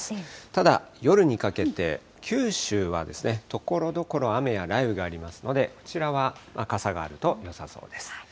ただ、夜にかけて九州はですね、ところどころ雨や雷雨がありますので、こちらは傘があるとよさそうです。